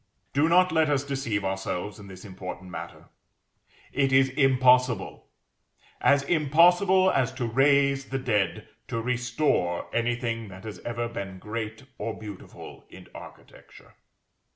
Do not let us deceive ourselves in this important matter; it is impossible, as impossible as to raise the dead, to restore anything that has ever been great or beautiful in architecture.